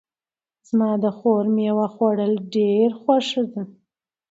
زما د خور میوه خوړل ډېر خوښ ده